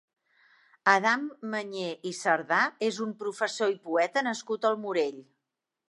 Adam Manyé i Sardà és un professor i poeta nascut al Morell.